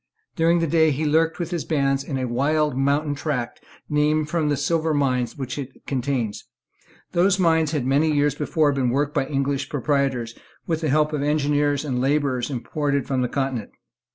During the day he lurked with his band in a wild mountain tract named from the silver mines which it contains. Those mines had many years before been worked by English proprietors, with the help of engineers and labourers imported from the Continent.